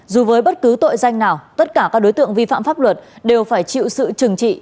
dù với bất cứ tội danh nào tất cả các đối tượng vi phạm pháp luật đều phải chịu sự trừng trị